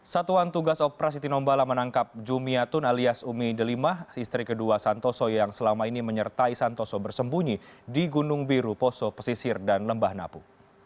satuan tugas operasi tinombala menangkap jumiatun alias umi delimah istri kedua santoso yang selama ini menyertai santoso bersembunyi di gunung biru poso pesisir dan lembah napu